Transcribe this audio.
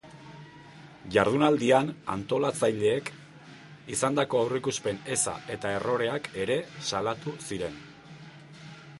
Jardunaldian antolatzaileek izandako aurreikuspen eza eta erroreak ere salatu ziren.